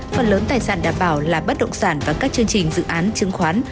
phần lớn tài sản đảm bảo là bất động sản và các chương trình dự án chứng khoán